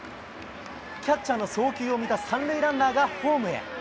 キャッチャーの送球を見た３塁ランナーがホームへ。